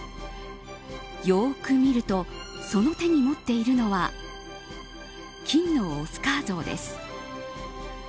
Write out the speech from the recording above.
よく見るとその手に持っているのは金のオスカー像です。